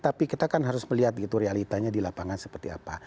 tapi kita kan harus melihat gitu realitanya di lapangan seperti apa